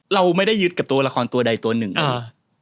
เราไม่ได้ยึดกับตัวละครตัวใดตัวหนึ่งเลย